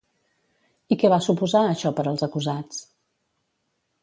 I què va suposar això per als acusats?